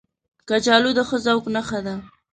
کچالو د ښه ذوق نښه ده